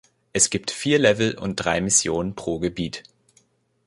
Es gibt vier Level und drei Missionen pro Gebiet.